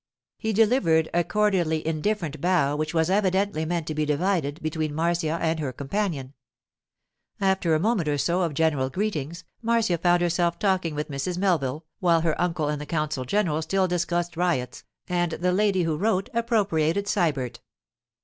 He delivered a cordially indifferent bow which was evidently meant to be divided between Marcia and her companion. After a moment or so of general greetings, Marcia found herself talking with Mrs. Melville, while her uncle and the consul general still discussed riots, and the lady who wrote appropriated Sybert.